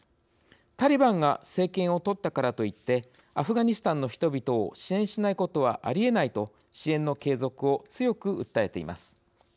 タリバンが政権をとったからといってアフガニスタンの人々を支援しないことはありえない」と支援の継続を強く訴えています。